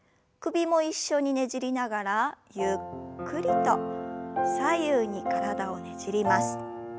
首も一緒にねじりながらゆっくりと左右に体をねじります。